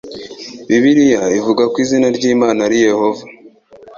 Bibiliya ivuga ko izina ry'Imana ari Yehova